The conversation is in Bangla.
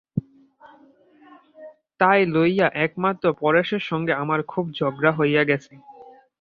তাই লইয়া এইমাত্র পরেশের সঙ্গে আমার খুব ঝগড়া হইয়া গেছে।